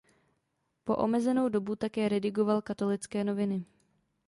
Po omezenou dobu také redigoval "Katolické noviny".